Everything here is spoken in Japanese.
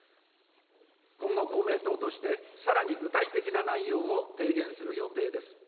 今後、公明党として、さらに具体的な内容を提言する予定です。